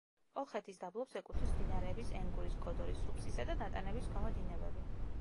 კოლხეთის დაბლობს ეკუთვნის მდინარეების ენგურის, კოდორის, სუფსისა და ნატანების ქვემო დინებები.